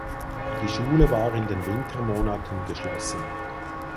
Die Schule war in den Wintermonaten geschlossen.